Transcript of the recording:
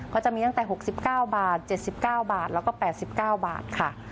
ก็จะมีตั้งแต่๖๙บาท๗๙บาทแล้วก็๘๙บาทค่ะ